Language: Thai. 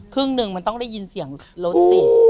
ครึ่งหนึ่งมันต้องได้ยินเสียงรถสิ